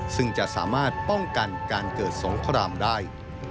ซึ่งจะสามารถป้องกันการเกิดสงครามได้